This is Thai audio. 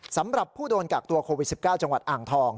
สำหรับผู้โดนกักตัวโควิด๑๙จังหวัดอ่างทอง